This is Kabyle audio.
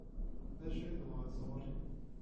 D acu i tebɣiḍ sɣur-i?